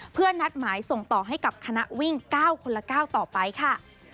เพื่อนัสหมายส่งต่อให้กับคะนะวิ่งก้าวคนละก้าวต่อไปค่ะ